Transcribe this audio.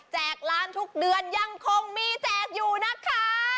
ร้านทุกเดือนยังคงมีแจกอยู่นะคะ